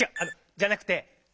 じゃなくて「ゆの」。